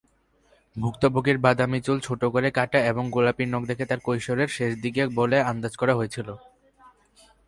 ভুক্তভোগীর বাদামী চুল ছোট করে কাটা এবং গোলাপী নখ দেখে তার কৈশোরের শেষের দিকে বলে আন্দাজ করা হয়েছিল।